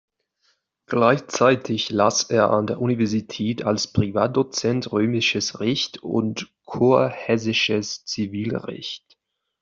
Gleichzeitig las er an der Universität als Privatdozent Römisches Recht und kurhessisches Zivilrecht.